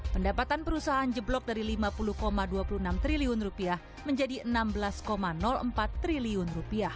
pendapatan perusahaan jeblok dari rp lima puluh dua puluh enam triliun menjadi rp enam belas empat triliun